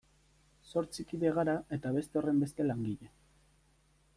Zortzi kide gara eta beste horrenbeste langile.